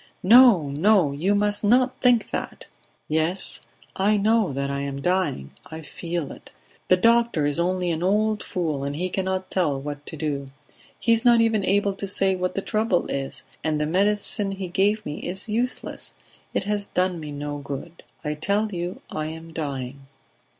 "No! No! You must not think that." "Yes, I know that I am dying. I feel it. The doctor is only an old fool, and he cannot tell what to do. He is not even able to say what the trouble is, and the medicine he gave me is useless; it has done me no good. I tell you I am dying."